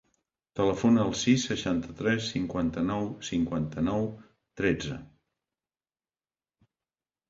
Telefona al sis, seixanta-tres, cinquanta-nou, cinquanta-nou, tretze.